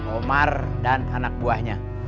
omar dan anak buahnya